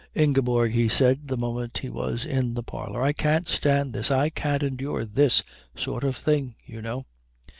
"Ingeborg," he said the moment he was in the parlour, "I can't stand this. I can't endure this sort of thing, you know."